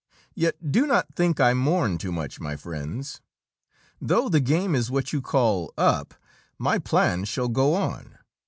Yet do not think I mourn too much, my friends. Though the game is what you call up, my plans shall go on.